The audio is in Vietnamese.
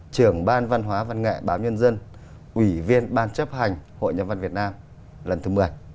trưởng ban văn hóa văn nghệ báo nhân dân ủy viên ban chấp hành hội nhà văn việt nam lần thứ một mươi